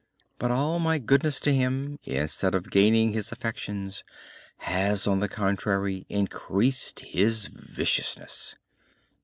But all my goodness to him, instead of gaining his affections, has, on the contrary, increased his viciousness.